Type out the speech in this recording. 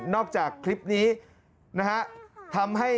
นอกจากคลิปนี้นะครับ